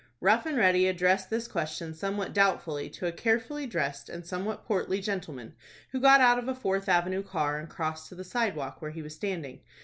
Rough and Ready addressed this question somewhat doubtfully to a carefully dressed and somewhat portly gentleman, who got out of a Fourth Avenue car, and crossed to the sidewalk where he was standing.